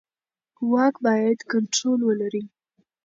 واک باید کنټرول ولري